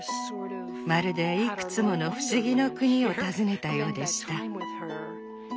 まるでいくつもの不思議の国を訪ねたようでした。